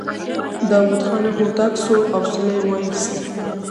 داوود خان هوتک سوړ اسويلی وايست.